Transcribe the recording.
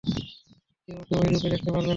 কেউ ওকে ঐ রূপে দেখতে পারবে না।